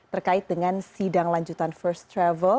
terkait dengan sidang lanjutan first travel